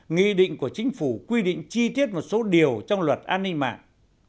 nghị định của chính phủ quy định chi tiết một số điều trong luật an ninh mạng